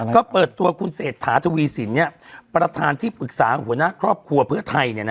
ก็เปิดตัวคุณเสจถาทวีสินเนี่ยประธานที่ปรึกษาของหัวหน้าครอบครัวคนไทยเนี่ยนะ